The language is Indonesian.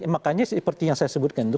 makanya seperti yang saya sebutkan itu